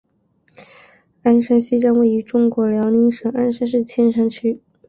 鞍山西站位于中国辽宁省鞍山市千山区。